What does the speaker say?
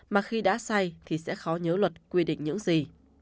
mà khi đã say thì sẽ khó nhớ luật quy định những gì